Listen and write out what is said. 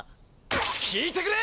聞いてくれ！